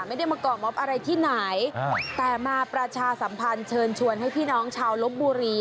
ไม่ได้มาก่อมอบอะไรที่ไหนแต่มาประชาสัมพันธ์เชิญชวนให้พี่น้องชาวลบบุรี